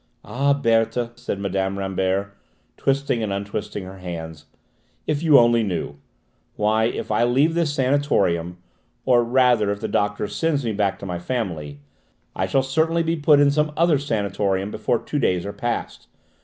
"Ah, Berthe," said Mme. Rambert, twisting and untwisting her hands, "if you only knew! Why, if I leave this sanatorium, or rather if the doctor sends me back to my family, I shall certainly be put in some other sanatorium before two days are past!